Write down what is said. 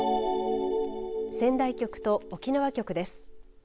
仙台局と沖縄局です。